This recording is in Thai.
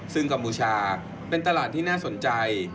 ซึ่งกัมพูชาเป็นตลาดที่น่าสนใจ